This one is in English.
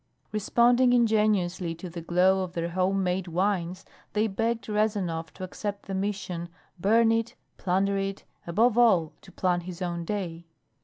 Responding ingenuously to the glow of their home made wines, they begged Rezanov to accept the Mission, burn it, plunder it, above all, to plan his own day.